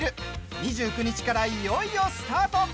２９日からいよいよスタート！